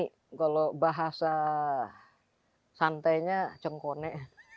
kalau bahasa santainya cengkone